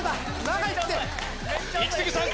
イキスギさん